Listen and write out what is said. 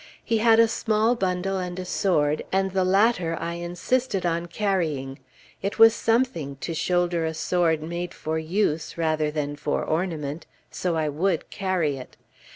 He had a small bundle and a sword, and the latter I insisted on carrying. It was something, to shoulder a sword made for use rather than for ornament! So I would carry it.